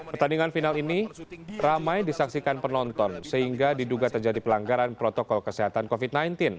pertandingan final ini ramai disaksikan penonton sehingga diduga terjadi pelanggaran protokol kesehatan covid sembilan belas